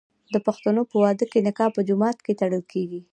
د پښتنو په واده کې نکاح په جومات کې تړل کیږي.